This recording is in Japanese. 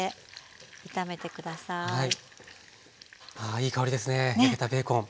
いい香りですね焼けたベーコン。